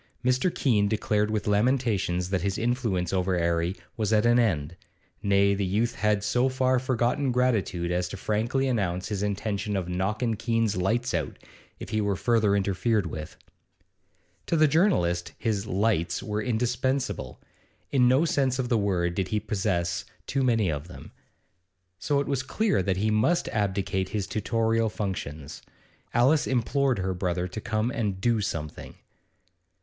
Mr. Keene declared with lamentations that his influence over 'Arry was at an end; nay, the youth had so far forgotten gratitude as to frankly announce his intention of 'knockin' Keene's lights out' if he were further interfered with. To the journalist his 'lights' were indispensable; in no sense of the word did he possess too many of them; so it was clear that he must abdicate his tutorial functions. Alice implored her brother to come and 'do something.